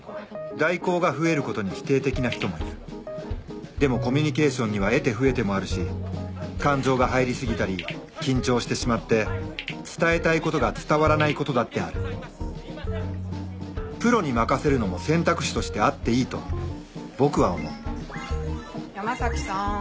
代行が増えることに否定的な人もいるでもコミュニケーションには得手不得手もあるし感情が入り過ぎたり緊張してしまって伝えたいことが伝わらないことだってあるプロに任せるのも選択肢としてあっていいと僕は思う山さん。